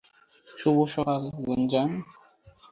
শুভ সকাল, গুঞ্জান!